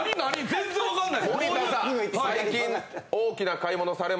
全然分からない。